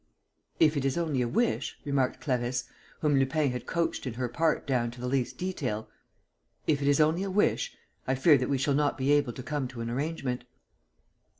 "If it is only a wish," remarked Clarisse, whom Lupin had coached in her part down to the least detail, "if it is only a wish, I fear that we shall not be able to come to an arrangement."